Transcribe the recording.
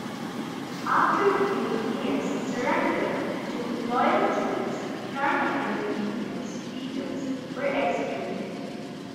After the mutineers surrendered to loyal troops, nine of the mutineers' leaders were executed.